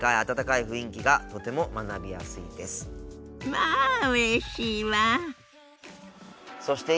まあうれしいわあ。